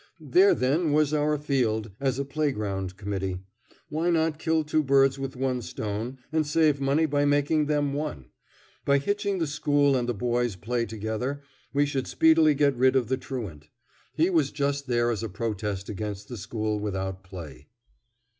There, then, was our field as a playground committee. Why not kill two birds with one stone, and save money by making them one? By hitching the school and the boys' play together we should speedily get rid of the truant. He was just there as a protest against the school without play.